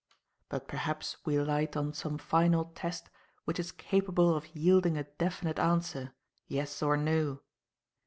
But perhaps we light on some final test which is capable of yielding a definite answer, yes or no.